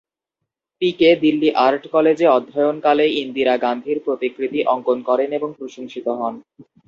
পিকে Delhi art কলেজে অধ্যয়নকালে ইন্দিরা গান্ধীর প্রতিকৃতি অঙ্কন করেন এবং প্রশংসিত হন।